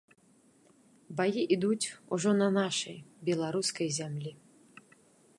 Баі ідуць ужо на нашай беларускай зямлі.